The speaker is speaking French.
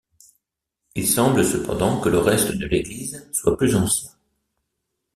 Il semble cependant que le reste de l'église soit plus ancien.